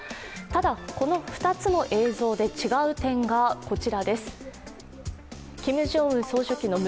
ただ、この２つの映像で違う点がこちらです。